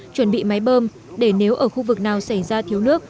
chuẩn bị máy bơm để nếu ở khu vực nào xảy ra thiếu nước